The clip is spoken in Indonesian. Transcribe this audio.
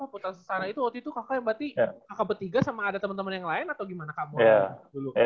putra sesana itu waktu itu kakak yang berarti kakak bertiga sama ada teman teman yang lain atau gimana kak